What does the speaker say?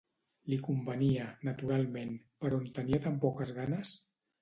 Li convenia, naturalment, però en tenia tan poques ganes!